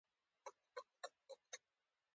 د خبیثه کړۍ بله نادوده دا ده.